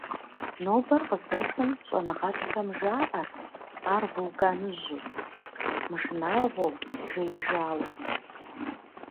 Нобэр къыздэсым щӏэныгъэлӏхэм жаӏэрт ар вулканыжьу, мышынагъуэу, «жеижауэ».